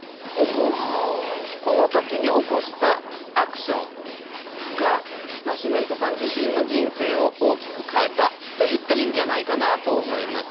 この時に起こしたアクションがナシメントさん自身の人生を大きく変えたと言っていいんじゃないかなと思います。